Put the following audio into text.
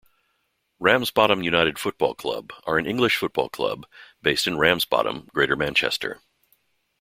Ramsbottom United Football Club are an English football club based in Ramsbottom, Greater Manchester.